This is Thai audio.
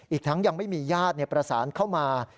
อีกทั้งยังไม่มีญาติประสานเข้ามา